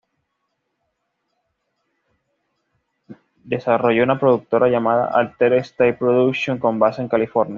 Jet desarrolló una productora llamada Altered States Productions con base en California.